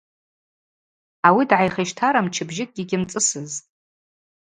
Ауи дгӏайхищтара мчыбжьыкӏгьи гьымцӏысызтӏ.